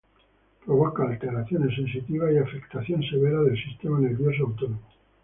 Provoca alteraciones sensitivas y afectación severa del sistema nervioso autónomo.